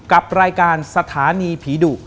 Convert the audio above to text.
กับรายการสถานีผีดุ